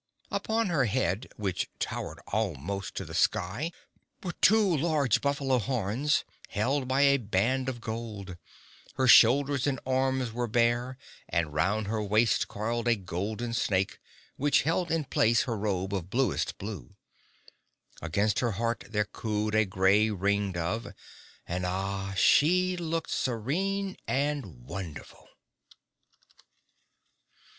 Upon her head, which towered almost to the sky, were two large buffalo horns, held by a band of gold; her shoulders and arms were bare, and round her waist coiled a golden snake, which held in place her robe of bluest blue. Against her heart there cooed a grey ring dove; and ah, she looked serene and wonderful.